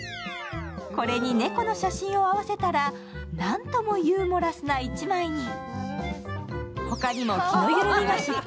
これに猫の写真を合わせたら、なんともユーモラスな１枚に。